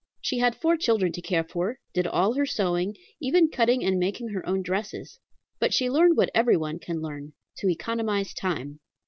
She had four children to care for, did all her sewing, even cutting and making her own dresses; but she learned what every one can learn, to economize time.